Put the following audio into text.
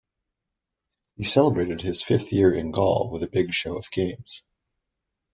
He celebrated his fifth year in Gaul with a big show of games.